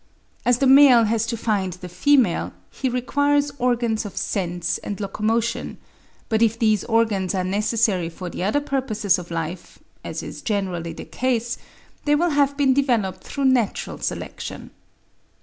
As the male has to find the female, he requires organs of sense and locomotion, but if these organs are necessary for the other purposes of life, as is generally the case, they will have been developed through natural selection.